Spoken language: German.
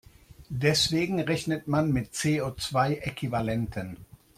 Deswegen rechnet man mit CO-zwei-Äquivalenten.